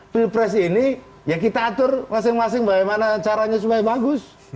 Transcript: pilpres ini ya kita atur masing masing bagaimana caranya supaya bagus